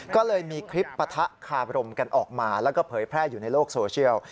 ก็เลยมีคลิปปะทะคาบรมกันออกมาแล้วก็เผยแพร่อยู่ในโลกโซเชียล